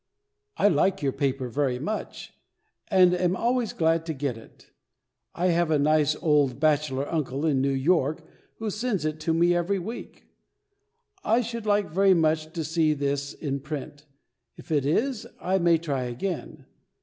I like your paper very much, and am always glad to get it. I have a nice old bachelor uncle in New York, who sends it to me every week. I should like very much to see this in print. If it is, I may try again.